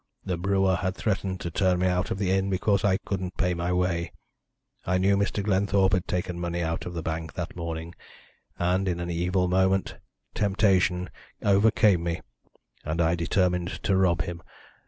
The brewer had threatened to turn me out of the inn because I couldn't pay my way. I knew Mr. Glenthorpe had taken money out of the bank that morning, and in an evil moment temptation overcame me, and I determined to rob him.